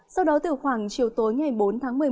sau đó từ khoảng chiều tối ngày bốn tháng một mươi một